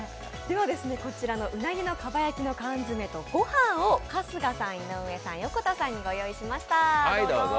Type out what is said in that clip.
こちらのうなぎの蒲焼きの缶詰とご飯を春日さん、井上さん、横田さんにご用意しました。